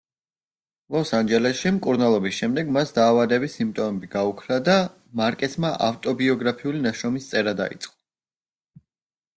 ლოს ანჯელესში მკურნალობის შემდეგ მას დაავადების სიმპტომები გაუქრა და მარკესმა ავტობიოგრაფიული ნაშრომის წერა დაიწყო.